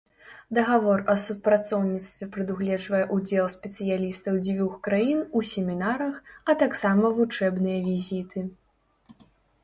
Дагавор аб супрацоўніцтве прадугледжвае ўдзел спецыялістаў дзвюх краін у семінарах, а таксама вучэбныя візіты.